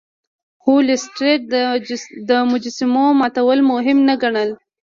خو لیسټرډ د مجسمو ماتول مهم نه ګڼل.